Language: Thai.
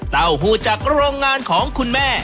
เต้าหู้จากโรงงานของคุณแม่